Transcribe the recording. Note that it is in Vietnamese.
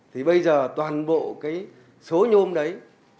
thì bây giờ toàn bộ cái số nhôm đấy